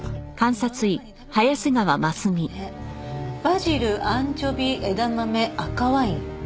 「バジルアンチョビ枝豆赤ワイン」